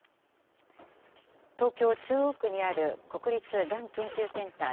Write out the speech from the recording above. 東京・中央区にある国立がん研究センター